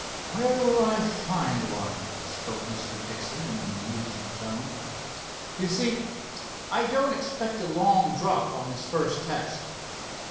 "Where will I find one?" spoke Mr. Dixon in a musing tone. "You see, I don't expect a long drop on the first test.